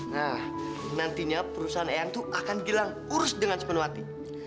nah nantinya perusahaan en itu akan gilang urus dengan sepenuh hati